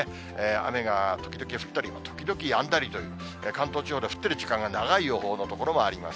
雨が時々降ったり、時々やんだりという、関東地方で降っている時間が長い予報の所もあります。